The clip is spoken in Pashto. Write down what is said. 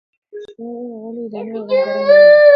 ښې غلې دانې او رنگا رنگ میوې لري،